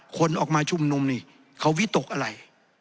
คนออกมาชุมนุมนี่เขาวิตกอะไร